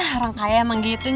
hah orang kaya emang gitu njol